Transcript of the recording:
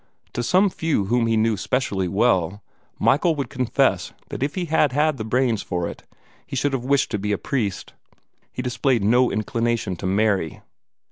To some few whom he knew specially well, Michael would confess that if he had had the brains for it, he should have wished to be a priest. He displayed no inclination to marry.